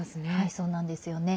そうなんですよね。